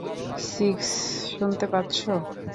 Six, শুনতে পাচ্ছ?